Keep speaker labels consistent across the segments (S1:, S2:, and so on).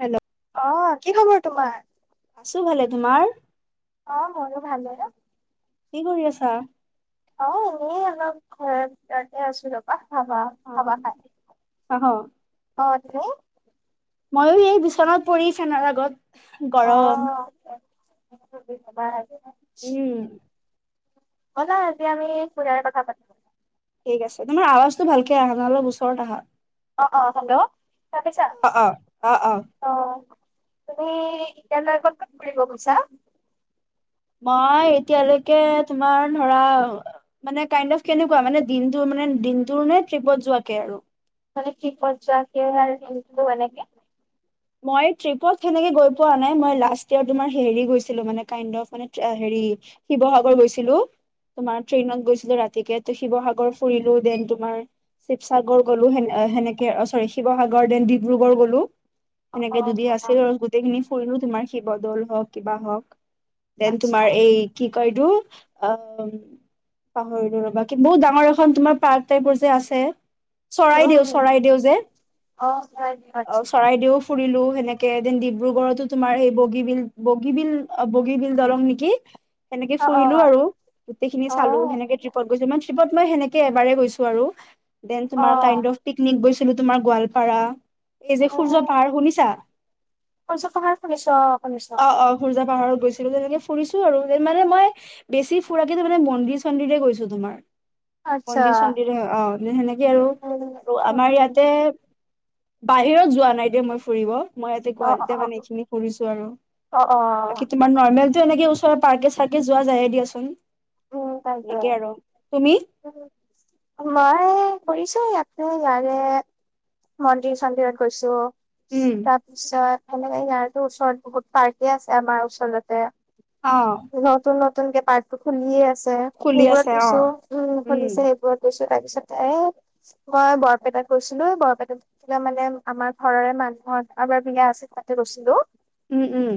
S1: Hello
S2: অ, কি খবৰ তোমাৰ?
S1: আছো ভালে। তোমাৰ?
S2: অ মোৰো ভালে দেই।
S1: কি কৰি আছা?
S2: অ এনেই অলপ ঘৰত ইয়াতে আছো ৰ'বা, হাৱা হাৱা খাই।
S1: বাঁহ?
S2: অ। তুমি?
S1: মইয়ো এই বিচনাত পৰি ফেনৰ আগত
S2: অ'।
S1: গৰম
S2: [unintelligible]
S1: উম।
S2: ব'লা আজি আমি ফুৰাৰ কথা পাতো।
S1: ঠিক আছে। তোমাৰ আৱাজটো ভালকে আহা নাই, অলপ ওচৰত
S2: অ, অ হেল্ল' শুনা পাইছা?
S1: অ অ অ
S2: অ তুমি এতিয়ালৈ ক'ত
S1: অ এতিয়ালৈকে তোমাৰ ধৰা মানে, কাইণ্ড অফ কেনেকুৱা? মানে দিনতো মানে দি দিনটোৰ নে ট্ৰিপত যোৱাকে আৰু?
S2: মানে ট্ৰিপত যোৱাকে আৰু দিনটো এনেকে।
S1: মই ট্ৰিপত সেনেকে গৈ পোৱা নাই। মই লাষ্ট ইয়াৰ তোমাৰ হেৰি গৈছিলো মানে, কাইণ্ড অফ মানে ট্ৰে হেৰি হেৰি শিৱসাগৰ গৈছিলো। তোমাৰ ট্ৰেইনত গৈছিলো ৰাতিকে। তো শিৱসাগৰ ফুৰিলো, দেন তোমাৰ শিৱসাগৰ গ'লো সেন সেনেকে অ' চৰি শিৱসাগৰ দেন ডিব্ৰুগড় গ'লো।
S2: অ',
S1: সেনেকে দুদিন আছিলোঁ
S2: অ',
S1: আৰু গোটেইখিনি ফুৰিলোঁ তোমাৰ শিৱদৌল হওঁক, কিবা হওঁক। দেন
S2: আচ্ছা।
S1: তোমাৰ এই কি কয় এইটো অ' উম পাহৰিলোঁ ৰ'বা কি বহুত ডাঙৰ এখন তোমাৰ পাৰ্ক টাইপৰ যে আছে। চৰাইদেউ,
S2: উম,
S1: চৰাইদেউ যে
S2: অ', হয়
S1: অ'
S2: আচ্ছা।
S1: চৰাইদেউ ফুৰিলোঁ সেনেকে দেন ডিব্ৰুগড়তো তোমাৰ সেই বগীবিল, বগীবিল অ' বগীবিল দলং নেকি সেনেকে
S2: অ',
S1: ফুৰিলোঁ
S2: অ',
S1: আৰু গোটেই খিনি চালোঁ।
S2: অ',
S1: সেনেকে ট্ৰিপত গৈছোঁ ইমান ট্ৰিপত মই সেনেকে এবাৰে গৈছোঁ আৰু দেন তোমাৰ
S2: অ'।
S1: কাইণ্ড অফ পিকনিক গৈছ ছিলোঁ, তোমাৰ গোৱালপাৰা। এই যে সূৰ্য্য পাৰ শুনিছা?
S2: সূৰ্য পাহাৰ শুনিছো অ', শুনিছো।
S1: অ অ সূৰ্য্য পাহাৰৰ গৈছিলোঁ তেনেকে ফুৰিছোঁ আৰু মানে মই বেছি ফুৰাকে তাৰ মানে মন্দিৰ চন্দিৰে গৈছোঁ তোমাৰ।
S2: আচ্ছা
S1: মন্দিৰ চন্দিৰ অ সেনেকে আৰু
S2: উম
S1: আৰু আমাৰ
S2: উম
S1: ইয়াতে বাহিৰত যোৱা নাই দিয় মই ফুৰিব। মই ইয়াতে
S2: অ
S1: গোাহালিতে
S2: অ
S1: মানে এইখিনি কৰিছো আৰু
S2: অ অ
S1: বাকী তোমাৰ নৰ্মেলটো এনেকে ওচৰত পাৰ্কে চাৰ্কে যোৱা যায়ে দিয়াচোন।
S2: উম তাইছে
S1: এনেকে আৰু তুমি
S2: আৰু মই কৰিছো ইয়াৰে মন্দিৰ চন্দিৰত গৈছো
S1: উম
S2: তাৰপিছত সনেকে ইয়াৰতো ওচৰত বহুত পাৰ্কি আছে আমাৰ ওচৰতে
S1: অ
S2: নতুনতু নতুনকে পাৰ্ক টো খুলিয়ে আছে
S1: খুলি
S2: সেইবোৰত
S1: আছে অ
S2: গৈছো উম খুলিছে সেইবোৰত গৈছো। তাৰ পিছত এ মই বৰপেটাত গৈছিলো বৰপেটাত গৈছিলে মানে আমাৰ ঘৰৰে মানুহ অ কাৰবাৰ বিয়া আছিল তাতে গৈছিলো!
S1: উম উম।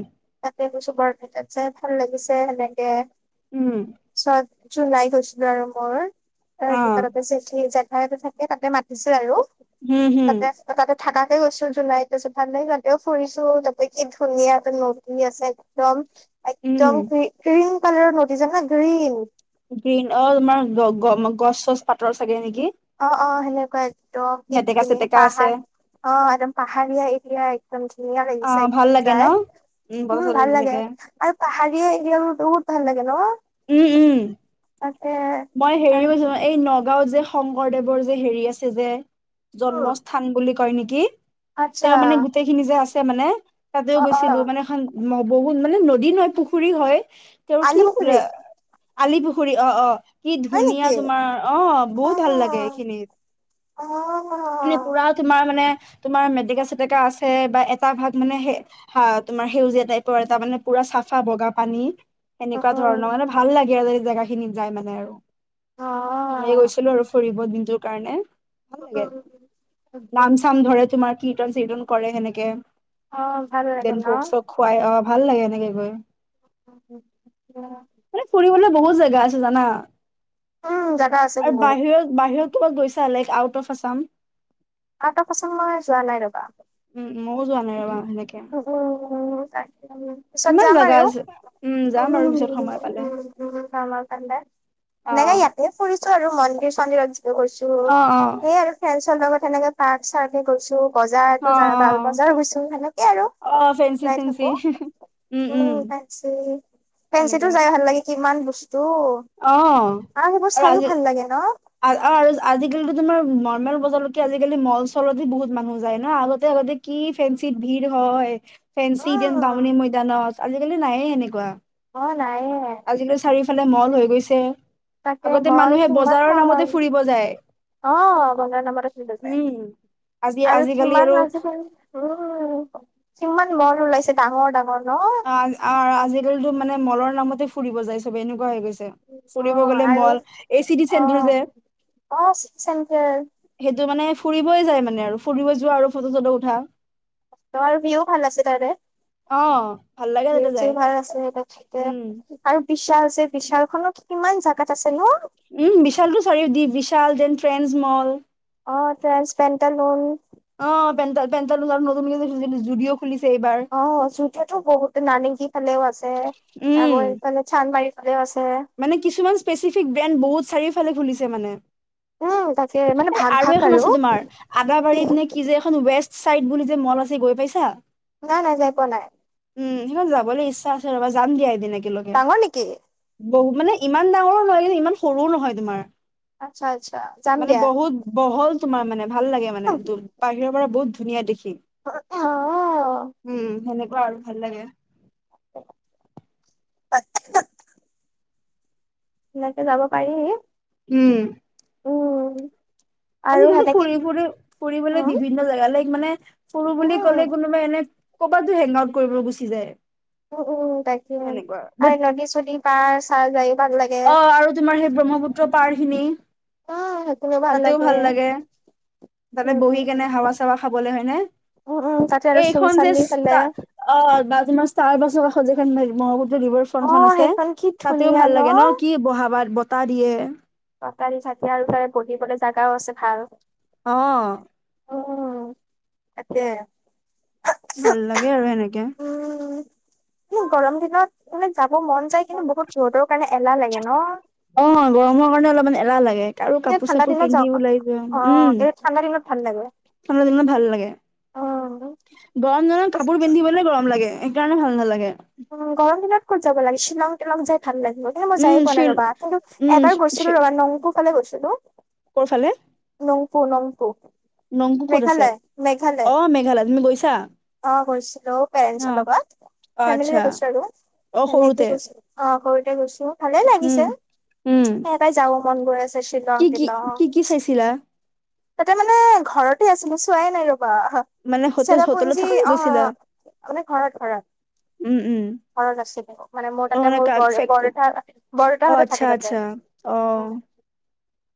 S2: সছো বৰপেটাত চাই ভাল লাগিছে সেনেকে
S1: উম।
S2: জলাই গৈছিলো আৰু মোৰ
S1: অ
S2: সিকতে জেঠী জেঠাই থাকে তাতে মাতিছে আৰু
S1: হম হম।
S2: তাতে তাতে থাকাকে গৈছো জোনাইত গছো ভাল নাই যাতেও ফুৰিছো তা কি ধুনীয়া এটা নদী আছে একদম একদম
S1: উম
S2: ক ক্ৰীম কালাৰৰ নদী যোন ন গ্ৰীণ
S1: গ্ৰীণ অ তোমাৰ গছ চছ পাতৰ চাগে নেকি!
S2: অ অ সেনেকুৱা একদ কি
S1: মেটেকা
S2: ধুনীয়া
S1: চেটেকা আছে
S2: পাহাৰ অ একদম পাহাৰীয়া এৰিয়া ধুনীয়া
S1: অ
S2: লাগিছে
S1: ভাল লাগে ন
S2: যায়।
S1: বতৰ
S2: উম
S1: চতৰ দি
S2: ভালাগে
S1: থাকে
S2: আৰুপ হৰিয়া এৰিয় ৰটো ভাল লাগে ন?
S1: উম উম।
S2: তাতে
S1: মই হেৰিছো এই নগাঁওত যে শংকৰদেৱৰ যে হেৰি আছে যে জন্মস্থান বুলি কয় নেকি
S2: আচ্ছা
S1: তেওঁ মানে গোটেইখিনি যে আছে মানে তাতেও
S2: অ অ
S1: গৈছিলো মানে এখন বহুত মানে নদী নহয় পুখুৰী হয়। তেওঁৰ
S2: আলি
S1: কি
S2: পুখুৰী
S1: বো আলি পুখুৰী অ অ কি
S2: হয়
S1: ধুনীয়া
S2: নেকি?
S1: তোমাৰ অ বহুত ভাল লাগে এইখিনিত মানে পুৰা
S2: অ',
S1: তোমাৰ মানে তুমাৰ মেডকা চেটকা আছে বা এটা ভাগ মানে তোমাৰ সেউজীয়া টাইপৰ এটা মানে পুৰা ফা বগা পানী এনেকুৱা ধৰণৰ
S2: অ',
S1: মানে ভাল লাগে আৰু জোগা খিনি যাই মানে আৰু গৈছিলো আৰু ফুৰিব দিনটোৰ কাৰণে ভাল লাগে নাম চাম ধৰে তোমাৰ কীৰ্তন চিৰ্তন কৰে সেনেকে
S2: অ', ভাল লাগে
S1: দেন
S2: ন?
S1: ভোগ চ খুৱায় অ ভাল লাগে এনেকে কৈ মানে ফুৰিবলৈ বহুত জেগা আছে জানা
S2: উম, জাগা আছে
S1: আৰু
S2: বহুত।
S1: বাহিৰত বাহিৰত তোমাক গৈছা লাইক আউট অফ আছাম?
S2: আঁ তকাচোন মই যোৱা নাই ৰবা।
S1: মৌ যোৱা নাই। সেনেকে
S2: উ তাক পিছত
S1: কিমান
S2: যাম
S1: জাগা
S2: আৰু
S1: আছে উম যাম বাৰু পিছত সময় পালে
S2: কদা
S1: অ
S2: তেনেকাে ইয়াতে ফুৰিছো। আৰু মন্দিৰ চন্দিৰত য গৈছো
S1: অ
S2: স
S1: অ
S2: আৰু ফ্ৰেণ্ডছৰ লগত সেনেকে পাৰ্ক চাৰ্কে গৈছো। বজাৰটো
S1: অ
S2: য ভাল বজাৰ গইছো। এ আৰু
S1: অ অ ফেঞ্চি
S2: ওলাই
S1: চেঞ্চি
S2: থাকো
S1: উম
S2: অ
S1: উম
S2: [unintelligible] ফেঞ্চিটো
S1: এনেকে
S2: যাই ভাল লাগে কিমান বস্তু
S1: অ
S2: আৰু সেইবোৰ চাইও ভাল লাগে ন?
S1: অ আৰু আজিকালিটো তোমাৰ নৰ্মেল বজাৰতকে আজিকালি মল চলতে বহুত মানুহ যায় ন আগতে আগতে কি ফেঞ্চিত ভিৰ হয় ফেঞ্চি [unintelligible]
S2: উম
S1: বামনি মৈদানত আজিকালি নায়ে সেনেকুৱা।
S2: অ নাইয়ে।
S1: ফালে মল হৈ গৈছে।
S2: তাকে
S1: আগতে
S2: মল
S1: মানুহে
S2: চ অ
S1: বজাৰৰ নামতে
S2: [unintelligible]
S1: ফুৰিব যায় উম। আজি
S2: আৰু
S1: আজিকালি
S2: কিমান
S1: আৰু
S2: আজিকালি উম কিমান মল ওলাইছে ডাঙৰ ডাঙৰ ন।
S1: অ অ আজিকালিতো মানে মলৰ নামতে ফুৰিব যায় চবে এনেকুৱা হৈ গৈছে।
S2: অ
S1: ফুৰিব গলে
S2: আৰু
S1: মল এ চিটি চেণ্টাৰ যে।
S2: চেণ্ট্ৰেল
S1: ফুৰিবয় যায় মানে আৰু ফুৰিব যোৱা আৰু ফটো চটো উঠা।
S2: তোমাৰ ভিউ ভাল আছে তাৰে
S1: অ ভাল লাগে
S2: ভিউ
S1: তাতে যাই
S2: চিও পাই আছে সিহঁতে ঠিকে
S1: উম।
S2: আৰু বিশ্বাল যে বিশালখনো কি কিমান জাগাত আছে ন?
S1: উম বিশালটো চাৰিও দি বিশাল দেন ট্ৰেন্ডছ মল।
S2: অ ট্ৰেঞ্চ পেন্টালুন।
S1: অ [unintelligible] নতুনকে জুডিঅ খুলিছে এইবাৰ
S2: অ চুটেতো বহুত নাৰেংগী ফালেও আছে
S1: উম।
S2: আৰু সিফালে চানমাৰি ফালেও আছে।
S1: মানে কিছুমান স্পেচিফিক ব্ৰেণ্ড বহুত চাৰিওফালে খুলিছে মানে।
S2: উম তাকে মানে
S1: এ
S2: ভাগ
S1: আৰু
S2: ভাগ
S1: এখন আছে তোমাৰ আদাবাৰীত নে কি যে এখন ৱেষ্ট ছাইদ বুলি যে মল আছে গৈ পাইছা?
S2: নাই-নাই যাই পোৱা নাই।
S1: উম, সিমান যাবলৈ ইচ্ছা আছে ৰবা যাম দিয়া এদিন একে
S2: ডাঙৰ নেকি?
S1: বহু মানে ইমান ডাঙৰো নহয় কিন্তু ইমান সৰুও নহয় তোমাৰ।
S2: আচ্ছা আচ্ছা যাম
S1: মানে
S2: দিয়া।
S1: বহুত বহল তোমাৰ মানে ভাল লাগে মানে বাহিৰৰ পৰা বহুত ধুনীয়া দেখি।
S2: অ
S1: উম, সেনেকুৱা আৰু ভাল লাগে।
S2: [unintelligible] সনেকে যাব পাৰি।
S1: উম,
S2: উম আৰু
S1: আজিকালি
S2: সেনেকে
S1: ফুৰিবলৈ - ফুৰিবলে
S2: উম
S1: বিভিন্ন জেগা লৈ মানে সৰু বুলি ক'লে
S2: উম
S1: কোনোবাই এনে কৰবাতটো হেংগ আউট কৰিবলৈ গুচি যায়।
S2: উম-উম তাকে
S1: এনেকুৱা বাট
S2: আৰু নদী চদী পাৰ চাৰ যায়।
S1: অ, আৰু তোমাৰ সেই ব্ৰহ্মপুত্ৰ পাৰ খিনি। তাতেও ভাল লাগে। তাতে
S2: উম
S1: বহি
S2: উম
S1: কেনে হাৱা চাৱা খাবলৈ হয়নে।
S2: উম উম তাতে আৰু চুং
S1: এইখন যে
S2: চান্দি ফালে
S1: স্টাৰ অ, বা তোমা স্টাৰ বাছৰ কাষ যেখন মহ তাতে ৰিভাৰ
S2: অ
S1: ফাৰ্মখনন আছে
S2: সেইখন কি
S1: তাতেও
S2: ধুনীয়া
S1: ভাল লাগে ন কি বহাবা বতাহ দিয়ে।
S2: কাৰী চাকি আৰু তাত বহিবলে জাগাও আছে ভাল।
S1: অ',
S2: অ, তাকে।
S1: ভাল লাগে আৰু এনেকে।
S2: উম, গৰম দিনত মানে যাব মন যায় কিন্তু বহুত ৰ'দৰ কাৰণে এলাহ লাগে ন?
S1: অ' গৰমৰ কাৰণে অলপমান এলাহ লাগে। আৰু
S2: এই
S1: কাপোৰ
S2: ঠাণ্ডা
S1: চাপোৰ
S2: দিনত যাওক।
S1: পিন্ধি ওলাই যোৱা
S2: অ',
S1: উম
S2: এই ঠাণ্ডা দিনত
S1: ঠান্ডা দিনত ভাল লাগে।
S2: অ'
S1: গৰম দিনত কাপোৰ পিন্ধিবলৈ গৰম লাগে সেইকাৰণে ভাল নালাগে।
S2: উ গৰম দিনত ক'ত যাব লাগে শ্বিলং তিলং জাই ভাল লাগিব এ মই
S1: উম
S2: যায় পোৱা নাই
S1: শিল
S2: ৰবা কিন্তু
S1: উম
S2: এবাৰ গৈছিলো ৰবা নংপু ফালে গৈছিলো।
S1: ক'ৰ ফালে
S2: নংপু নংপু
S1: নংকু ক'ত আছে
S2: মেঘালয় মেঘালয়।
S1: অ মেঘালয় তুমি গৈছা
S2: অ'গৈছিলো
S1: অ
S2: পেৰেন্টছৰ লগত
S1: অ
S2: ফেমিলি
S1: আচ্ছা
S2: লৈ গৈছো আৰু
S1: অ সৰুতে
S2: সেনেকে গৈছো অ সৰুতে গৈছো ভালে
S1: উম,
S2: লাগিছে
S1: উম,
S2: সেনেকেই যাব মন গৈ আছে
S1: কি
S2: শিলং
S1: কি
S2: তিলং
S1: কি কি চাইছিলা?
S2: তাতে মানে ঘৰতে আছিলো চোৱাই নাই ৰব বা
S1: মানে হোটেল
S2: চেৰা
S1: হোটেলত
S2: পুঞ্জী
S1: থাকাকে
S2: অ
S1: গৈছিলা?
S2: মানে ঘৰত ঘৰত
S1: উম, উম,
S2: ঘৰত আছিলে মানে মোৰ
S1: অ',
S2: তাতে মোৰ
S1: কাক
S2: বৰ
S1: ফেক অ',
S2: বৰদেউতা হঁতে
S1: আচ্ছা
S2: থাকে তাতে-
S1: আচ্ছা অ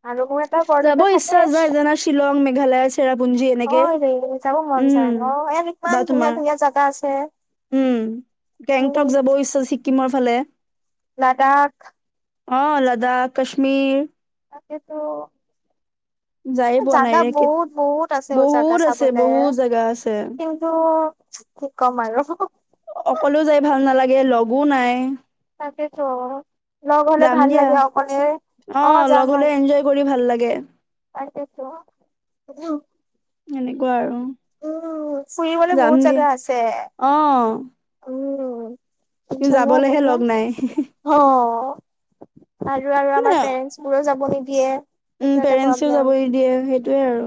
S2: আৰু মোৰ এটা
S1: যাব
S2: বৰদেউতা থাকে
S1: ইচ্ছা যায় জানা শ্বিলং মেঘালয়- চেৰাপুঞ্জী এনেকে
S2: অ' দেই যাব মন
S1: উম,
S2: যায় ন এ ইমান
S1: বা
S2: ধুনীয়া
S1: তোমাৰ
S2: ধুনীয়া জাগা আছে-
S1: উম গেংটক
S2: উম
S1: যাব ইচ্ছা ছিক্কিমৰ ফালে-
S2: লাডাখ
S1: অ লাডাখ কাশ্মীৰ -
S2: তাকেটো।
S1: যায়ে পোৱা নাই
S2: জাগা
S1: ৰে কে
S2: বহুত বহুত আছে জাগা
S1: বহুত আছে
S2: চাবলৈ
S1: বহুত জেগা আছে
S2: কিন্তু- কি কম আৰু-
S1: অকলে যাই ভাল নালাগে লগো নাই-
S2: তাকেটো - লগ হলে
S1: যাম
S2: ভাল
S1: দিয়া
S2: লাগে অকলে অ
S1: লগ হ'লে
S2: যাম-
S1: এনজয় কৰি ভাল লাগে
S2: তকেটো -
S1: এনেকুৱা আৰু
S2: ফুৰিবলে
S1: যাম
S2: বহুত
S1: দিয়া
S2: জাগা আছে
S1: আহ-
S2: ধনা পনা
S1: লগ নাই।
S2: হ [unintelligible] আৰু আৰু
S1: মানে
S2: আমাৰ পেৰেন্টছ বোৰোও যাব নিদিয়ে- সেইটো
S1: উম
S2: এটা
S1: পেৰেণ্টছ
S2: প্ৰব্লেম
S1: যাব নি দিয়ে সেইটোয়ে আৰু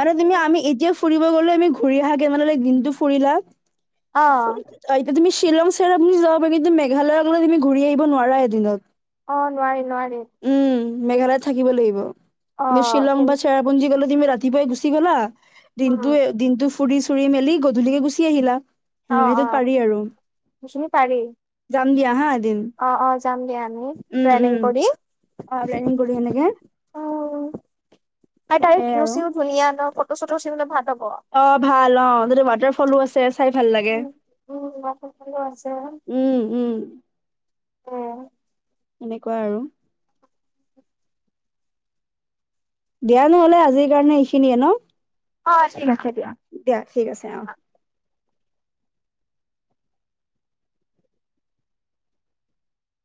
S1: মানে তুমি আমি এতিয়া ফুৰিব- গলে আমি ঘুৰি আহাকে মানে দিনটো ফুৰিলা
S2: অ
S1: এতিয়া তুমি- শ্বিলং চেৰাপঞ্জি আপুনি যাব পাৰে কিন্তু মেঘালয়ৰকলে তুমি ঘূৰি আহিব নোৱাৰা এদিনত।
S2: অ' নোৱাৰি নোৱাৰি।
S1: উম, মেঘালয়ত থাকিব লাগিব
S2: অ
S1: কিন্তু শ্বিলং বা চেৰাপুঞ্জী গলে তুমি ৰাতিপুৱাই গুচি গ'লা। দিনটো দিনটো ফুৰি চুৰি মেলি গধূলিকে গুচি আহিলা।
S2: অ
S1: সেনেকা
S2: অ
S1: সেইটোত পাৰি আৰু
S2: সেইখিনি পাৰি
S1: যাম দিয়া হা- উম
S2: অ অ যাম দিয়া আমি প্লেনিং
S1: উম
S2: কৰি
S1: অ প্লেনিং কৰি সেনেকে -
S2: ত
S1: সেয়াই আৰু।
S2: [unintelligible] ধুনীয়া ন ফটো চটৰ চি [unintelligible]
S1: অ' ভাল অ যদি ৱাটাৰ ফলো আছে। চাই ভাল লাগে
S2: উম, উম, মই ফোন কৰিলোঁ আছে
S1: উম উম।
S2: উম,
S1: সেনেকুৱা আৰু- দিয়া নহলে আজিৰ কাৰণে এইখিনিয়ে ন-
S2: অ 'ঠিক আছে।
S1: দিয়া ঠিক আছে অ।